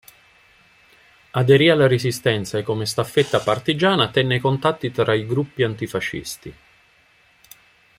Aderì alla Resistenza e come "staffetta partigiana" tenne i contatti tra i gruppi antifascisti.